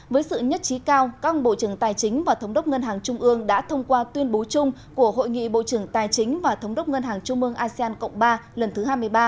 với sự nhất trí cao các bộ trưởng tài chính và thống đốc ngân hàng trung ương đã thông qua tuyên bố chung của hội nghị bộ trưởng tài chính và thống đốc ngân hàng trung mương asean cộng ba lần thứ hai mươi ba